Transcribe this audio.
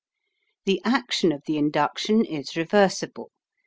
The action of the induction is reversible.